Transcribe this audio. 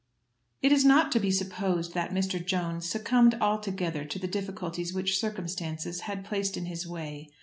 It is not to be supposed that Mr. Jones succumbed altogether to the difficulties which circumstances had placed in his way.